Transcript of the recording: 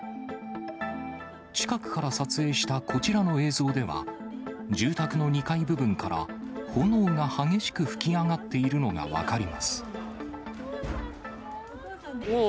近くから撮影したこちらの映像では、住宅の２階部分から炎が激しく吹き上がっているのが分かります。